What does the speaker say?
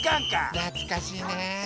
なつかしいね。